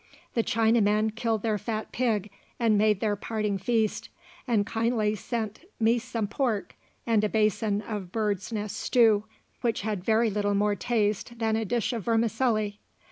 The Chinamen killed their fat pig and made their parting feast, and kindly sent me some pork, and a basin of birds' nest stew, which had very little more taste than a dish of vermicelli.